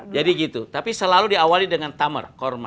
jadi gitu tapi selalu diawali dengan tamar korma